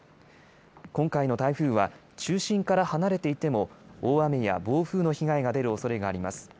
今回の台風は、中心から離れていても、大雨や暴風の被害が出るおそれがあります。